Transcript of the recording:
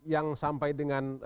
yang sampai dengan